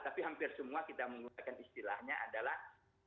tapi hampir semua kita menggunakan istilahnya adalah